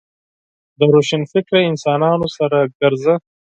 د روشنفکره انسانانو سره ګرځه .